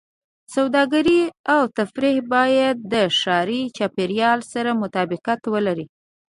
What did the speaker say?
سوداګرۍ او تفریح باید د ښاري چاپېریال سره مطابقت ولري.